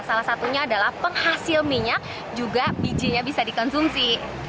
salah satunya adalah penghasil minyak juga bijinya bisa dikonsumsi